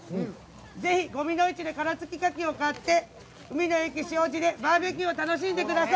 ぜひ五味の市で殻つきカキを買って海の駅しおじでバーベキューを楽しんでください。